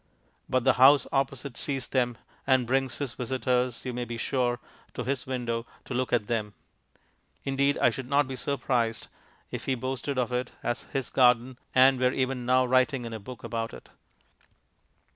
But the House Opposite sees them, and brings his visitors, you may be sure, to his window to look at them. Indeed, I should not be surprised if he boasted of it as "his garden" and were even now writing in a book about it.